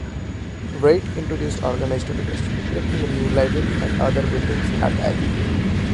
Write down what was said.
Reid introduced organised education, erecting a new library and other buildings at the abbey.